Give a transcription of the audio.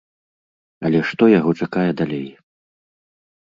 Але што яго чакае далей?